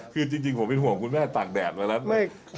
คือจริงผมเป็นห่วงคุณแม่ตากแดดมาแล้ว